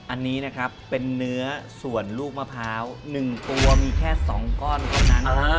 อันนี้นะครับเป็นเนื้อส่วนลูกมะพร้าว๑ตัวมีแค่๒ก้อนเท่านั้น